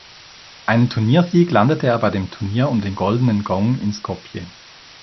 Einen Turniersieg landete er bei dem Turnier um den Goldenen Gong in Skopje.